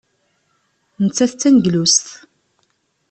Nettat d taneglust.